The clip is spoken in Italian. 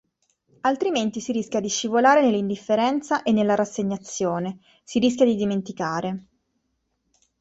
Altrimenti si rischia di scivolare nell'indifferenza e nella rassegnazione, si rischia di dimenticare"”.